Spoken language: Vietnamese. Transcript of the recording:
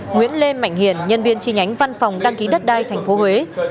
nguyễn lê mạnh hiền nhân viên chi nhánh văn phòng đăng ký đất đai tp huế